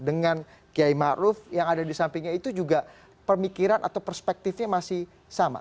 dengan kiai ma'ruf yang ada di sampingnya itu juga permikiran atau perspektifnya masih sama